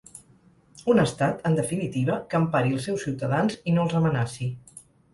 Un estat, en definitiva, que empari els seus ciutadans i no els amenaci.